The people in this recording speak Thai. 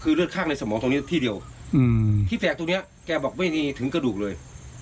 คือเลือดข้างในสมองตรงนี้ที่เดียวที่แปลกตรงเนี้ยแกบอกไม่มีถึงกระดูกเลย